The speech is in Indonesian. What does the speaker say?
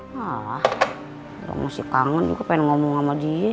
wah kalau masih kangen juga pengen ngomong sama dia